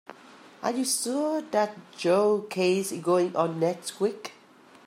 Are you sure that Joe case is going on next week?